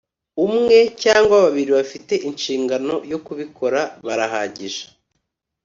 umwe cyangwa babiri bafite inshingano yo kubikora barahagije